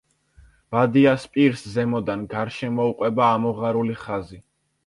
ბადიას პირს, ზემოდან, გარშემოუყვება ამოღარული ხაზი.